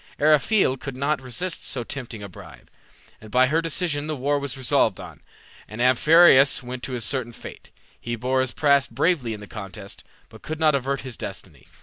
Eriphyle could not resist so tempting a bribe, and by her decision the war was resolved on, and Amphiaraus went to his certain fate. He bore his part bravely in the contest, but could not avert his destiny.